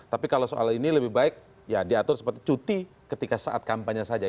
tapi kalau soal ini lebih baik ya diatur seperti cuti ketika saat kampanye saja